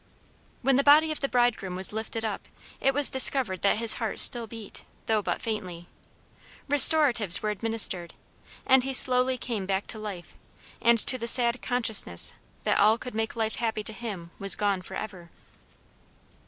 When the body of the bridegroom was lifted up it was discovered that his heart still beat, though but faintly. Restoratives were administered, and he slowly came back to life, and to the sad consciousness that all that could make life happy to him was gone for ever.